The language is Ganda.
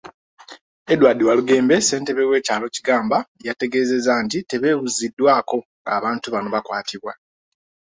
Edward Walugembe, ssentebe w'ekyalo Kigamba yategeezezza nti tebeebuuziddwako ng'abantu bano bakwatibwa.